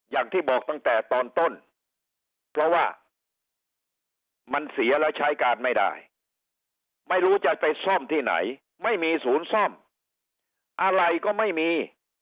อย่างที่บอกตั้งแต่ตอนต้นเพราะว่ามันเสียแล้วใช้การไม่ได้ไม่รู้จะไปซ่อมที่ไหนไม่มีศูนย์ซ่อมอะไรก็ไม่มี